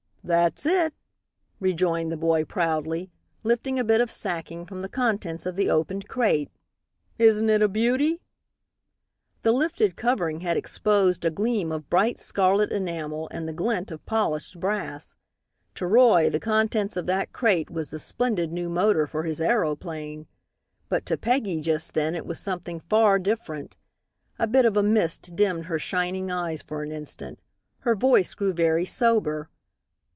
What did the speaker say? "That's it," rejoined the boy proudly, lifting a bit of sacking from the contents of the opened crate, "isn't it a beauty?" The lifted covering had exposed a gleam of bright, scarlet enamel, and the glint of polished brass. To Roy the contents of that crate was the splendid new motor for his aeroplane. But to Peggy, just then, it was something far different. A bit of a mist dimmed her shining eyes for an instant. Her voice grew very sober.